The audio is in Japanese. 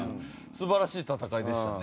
素晴らしい戦いでしたね。